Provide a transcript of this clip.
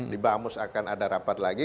di bamus akan ada rapat lagi